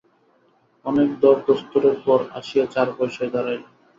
অনেক দরদস্তুরের পর আসিয়া চার পয়সায় দাঁড়াইল।